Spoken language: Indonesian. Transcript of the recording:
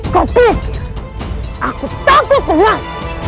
kau pikir aku takut mas